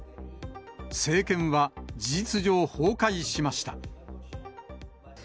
政権は事実上、崩壊しました。